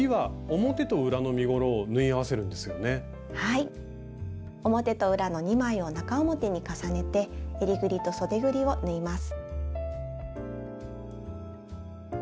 表と裏の２枚を中表に重ねてえりぐりとそでぐりを縫います。